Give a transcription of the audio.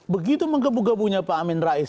begitu menggebu gebunya pak amin rais